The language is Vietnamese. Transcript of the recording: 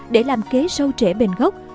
để làm kế sâu trễ bền gốc